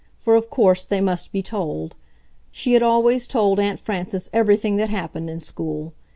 For of course they must be told. She had always told Aunt Frances everything that happened in school.